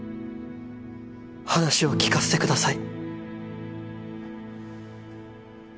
話を聞かせてください